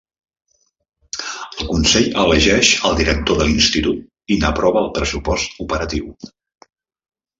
El Consell elegeix el director de l'Institut i n'aprova el pressupost operatiu.